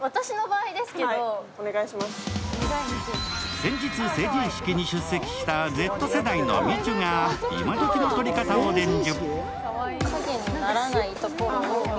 先日成人式に出席したＺ世代のみちゅが今どきのとり方を伝授。